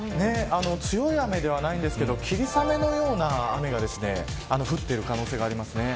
強い雨ではないんですけど霧雨のような雨が降っている可能性があります。